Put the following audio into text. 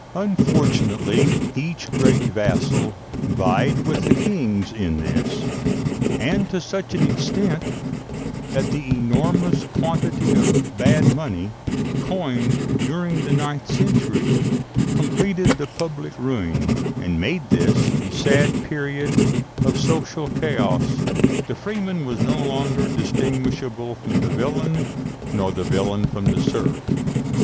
Unfortunately each great vassal vied with the kings in this, and to such an extent, that the enormous quantity of bad money coined during the ninth century completed the public ruin, and made this a sad period of social chaos. The freeman was no longer distinguishable from the villain, nor the villain from the serf.